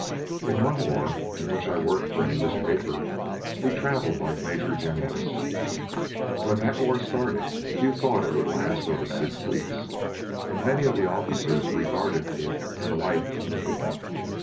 In one war, in which I worked for an English paper, we travelled like major generals. When that war started few thought it would last over six weeks, and many of the officers regarded it in the light of a picnic.